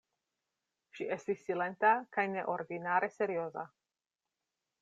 Ŝi estis silenta kaj neordinare serioza.